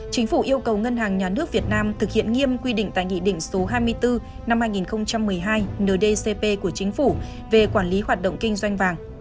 chính phủ yêu cầu ngân hàng nhà nước việt nam thực hiện nghiêm quy định tại nghị định số hai mươi bốn năm hai nghìn một mươi hai ndcp của chính phủ về quản lý hoạt động kinh doanh vàng